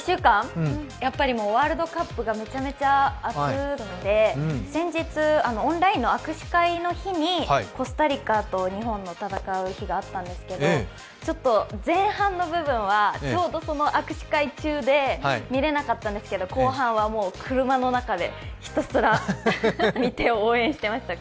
やっぱりワールドカップがめちゃめちゃ熱くて先日、オンラインの握手会の日にコスタリカと日本の戦う日があったんですけどちょっと前半の部分はちょうど握手会中で見れなかったんですけど、後半は車の中でひたすら見て応援してました。